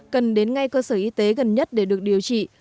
cần đến ngay cơ sở y tế gần nhất để được điều trị